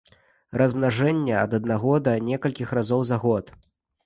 Размнажэнне ад аднаго да некалькіх разоў за год.